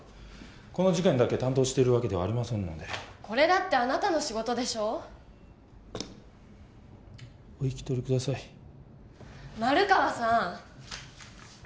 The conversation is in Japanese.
この事件だけ担当しているわけではないのでこれだってあなたの仕事でしょうお引き取りください丸川さん！